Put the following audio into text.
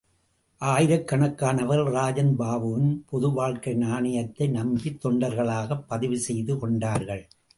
ஆயிரக்கணக்கானவர்கள் ராஜன் பாபுவின் பொது வாழ்க்கை நாணயத்தை நம்பி தொண்டர்களாகப் பதிவு செய்து கொண்டார்கள்.